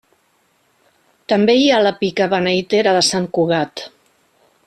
També hi ha la pica beneitera de Sant Cugat.